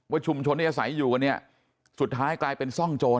ชุมชนที่อาศัยอยู่กันเนี่ยสุดท้ายกลายเป็นซ่องโจร